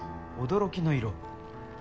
「驚き」の色？